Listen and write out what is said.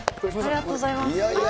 ありがとうございます。